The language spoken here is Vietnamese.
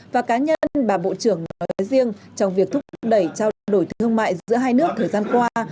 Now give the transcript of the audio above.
và cá nhân bà bộ trưởng nói riêng trong việc thúc đẩy trao đổi thương mại giữa hai nước thời gian qua